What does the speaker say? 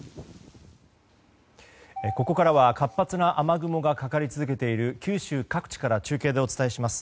ここからは活発な雨雲がかかり続けている九州各地から中継でお伝えします。